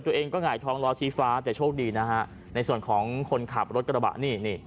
ตัวเองก็หงายท้องล้อชี้ฟ้าแต่โชคดีนะฮะในส่วนของคนขับรถกระบะนี่นี่